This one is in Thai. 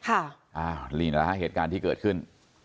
อ้าวนี่นะฮะเหตุการณ์ที่เกิดขึ้น